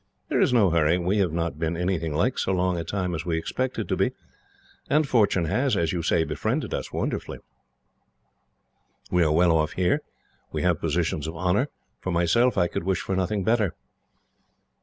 There is no hurry. We have not been anything like so long a time as we expected to be, and Fortune has, as you say, befriended us wonderfully. We are well off here. We have positions of honour. For myself, I could wish for nothing better."